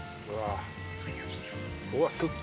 うわっ